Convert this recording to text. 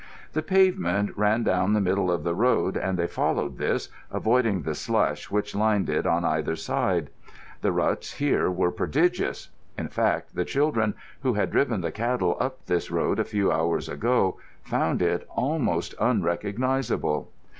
The pavement ran down the middle of the road, and they followed this, avoiding the slush which lined it on either side. The ruts here were prodigious. In fact, the children, who had driven the cattle up this road a few hours ago, found it almost unrecognisable.